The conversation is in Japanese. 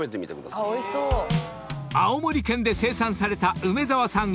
［青森県で生産された梅沢さん